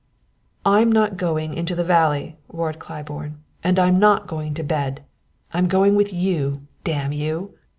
"I'm not going into the valley," roared Claiborne, "and I'm not going to bed; I'm going with you, damn you!"